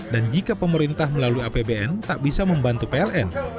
dan jika pemerintah melalui apbn tak bisa membantu pln